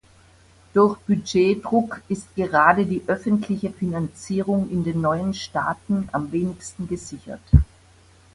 Durch Budgetdruck ist gerade die öffentliche Finanzierung in den neuen Staaten am wenigsten gesichert.